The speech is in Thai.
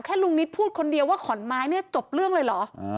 ลุงนิตพูดคนเดียวว่าขอนไม้เนี่ยจบเรื่องเลยเหรอ